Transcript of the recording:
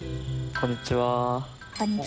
こんにちは。